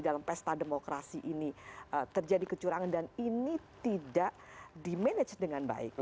dalam pesta demokrasi ini terjadi kecurangan dan ini tidak di manage dengan baik